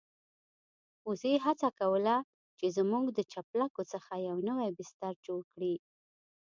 وزې هڅه کوله چې زموږ د چپلکو څخه يو نوی بستر جوړ کړي.